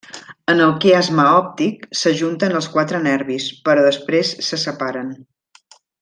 En el quiasma òptic s'ajunten els quatre nervis, però després se separen.